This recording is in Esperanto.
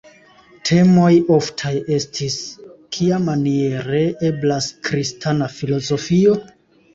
Temoj oftaj estis: kiamaniere eblas kristana filozofio?